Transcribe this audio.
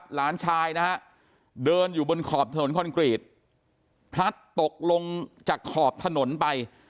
หลานชายนะฮะเดินอยู่บนขอบถนนคอนกรีตพลัดตกลงจากขอบถนนไป